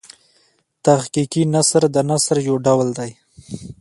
تحقیقي نثر د نثر یو ډول دﺉ.